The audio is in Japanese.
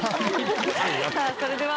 さあそれでは。